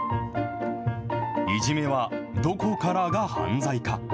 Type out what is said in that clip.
いじめはどこからが犯罪か。